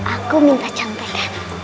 aku minta cantikan